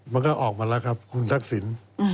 มันก็ออกมาแล้วครับคุณทักษิณ